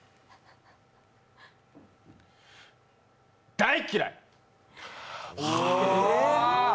大っ嫌い！